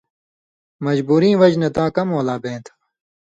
مجبُورِیں وجہۡ نہ تاں کمؤں لا بېں تھہ۔